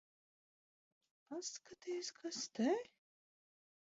Paskaties, kas te...